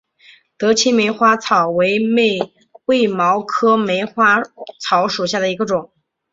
德钦梅花草为卫矛科梅花草属下的一个种。